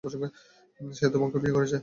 সে তোমাকেও বিয়ে করেছে?